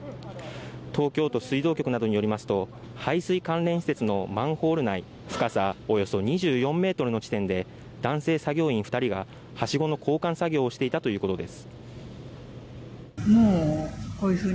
東京都水道局などによりますと排水関連施設のマンホール内深さおよそ２４ｍの地点で男性作業員２人がはしごの交換作業をしていたということです。